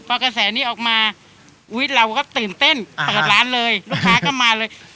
พอกระแสนี้ออกมาอุ๊ยเราก็ตื่นเต้นเปิดร้านเลยลูกค้าก็มาเลย